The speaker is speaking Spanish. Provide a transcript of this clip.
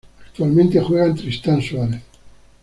Actualmente juega en Tristan Suárez.